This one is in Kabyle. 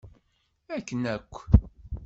Akken akk!